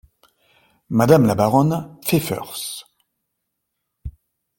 Madame la baronne Pfeffers.